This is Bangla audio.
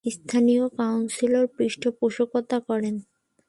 স্থানীয় কাউন্সিলর পৃষ্ঠপোষকতা করেন।